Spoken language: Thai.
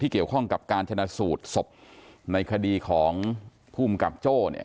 เกี่ยวข้องกับการชนะสูตรศพในคดีของภูมิกับโจ้เนี่ย